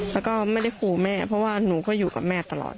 แล้วก็ไม่ได้ขู่แม่เพราะว่าหนูก็อยู่กับแม่ตลอด